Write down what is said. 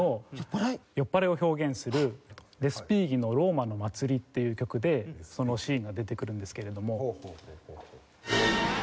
酔っ払いを表現するレスピーギの『ローマの祭』っていう曲でそのシーンが出てくるんですけれども。